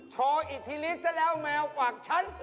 โชว์อิทธิฤทธิ์ซะแล้วแมววักฉัน